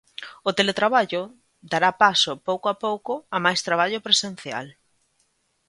O teletraballo dará paso pouco a pouco a máis traballo presencial.